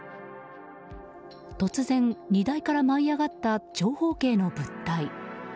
突然、荷台から舞い上がった長方形の物体。